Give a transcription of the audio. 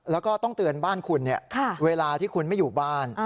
แล้วก็ต้องเตือนบ้านคุณเวลาที่คุณไม่อยู่บ้าน